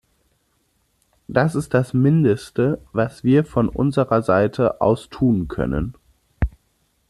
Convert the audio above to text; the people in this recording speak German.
Das ist das mindeste, was wir von unserer Seite aus tun können.